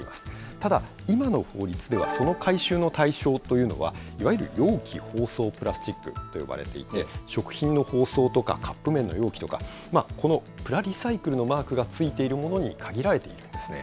ただ、今の法律ではその回収の対象というのは、いわゆる容器包装プラスチックと呼ばれていて、食品の包装とかカップ麺の容器とか、このプラ・リサイクルのマークがついているものに限られているんですね。